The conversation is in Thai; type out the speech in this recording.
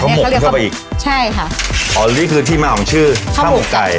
หมกกันเข้าไปอีกใช่ค่ะอ๋อนี่คือที่มาของชื่อข้าวหมกไก่